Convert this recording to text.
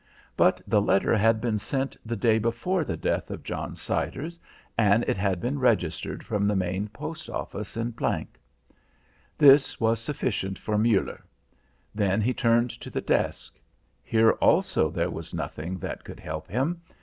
But the letter had been sent the day before the death of John Siders, and it had been registered from the main post office in G . This was sufficient for Muller. Then he turned to the desk. Here also there was nothing that could help him.